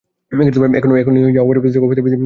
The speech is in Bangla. এখনো যা অপরিবর্তিত অবস্থায় বিদ্যমান আছে।